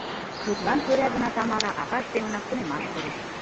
«Тудлан кӧра гына Тамара акаж семынак тунемаш пурыш.